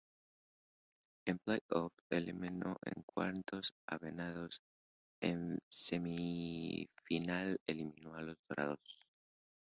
En play-offs, eliminó en Cuartos a Venados, en semifinal eliminó a los Dorados.